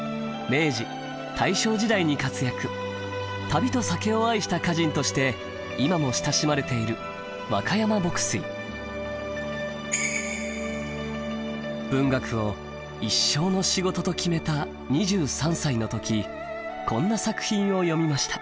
「旅と酒」を愛した歌人として今も親しまれている文学を一生の仕事と決めた２３歳の時こんな作品を詠みました。